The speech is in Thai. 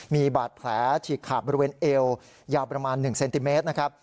มีบาดแผลฉีกขาดบริเวณเอวยาวประมาณ๑เซนติเมตรนะครับ